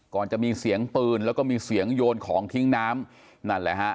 ก่อนจะมีเสียงปืนแล้วก็มีเสียงโยนของทิ้งน้ำนั่นแหละฮะ